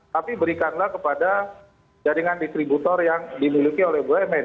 tapi berikanlah kepada jaringan distributor yang dimiliki oleh bumn